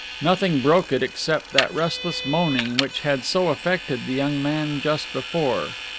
Nothing broke it except that restless moaning which had so affected the young man just before.